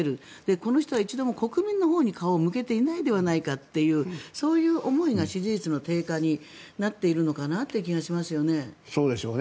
この人は一度も国民のほうに顔を向けていないではないかというそういう思いが支持率の低下になっているのかなという気がしますよね。